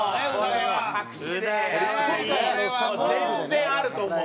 隠しで全然あると思う。